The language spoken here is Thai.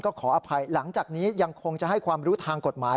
ก็ขออภัยหลังจากนี้ยังคงจะให้ความรู้ทางกฎหมาย